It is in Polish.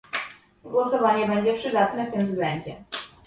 Głosowanie będzie przydatne w tym względzie